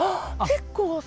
結構。